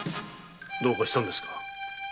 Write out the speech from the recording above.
どうかしたんですか。